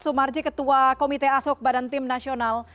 sumarji ketua komite asok badan tim nasional